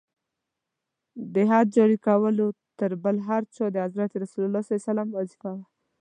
د حد جاري کول تر بل هر چا د حضرت رسول ص وظیفه وه.